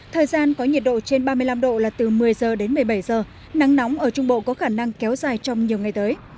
thời gian có nhiệt độ trên ba mươi năm độ là từ một mươi h đến một mươi bảy giờ nắng nóng ở trung bộ có khả năng kéo dài trong nhiều ngày tới